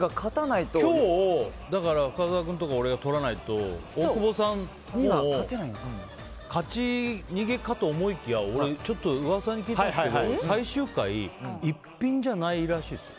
今日、深澤君か俺がとらないと大久保さんがもう勝ち逃げかと思いきや俺、ちょっと噂に聞いたんですけど最終回１品じゃないらしいですよ。